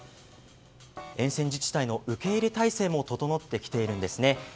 沿線自治体の受け入れ態勢も整ってきているんですね。